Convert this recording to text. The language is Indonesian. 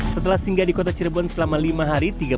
setelah singgah di kota cirebon selama lima hari